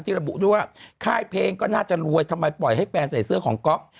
ระบุด้วยว่าค่ายเพลงก็น่าจะรวยทำไมปล่อยให้แฟนใส่เสื้อของก๊อฟ